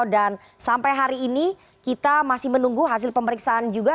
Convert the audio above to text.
dan sampai hari ini kita masih menunggu hasil pemeriksaan juga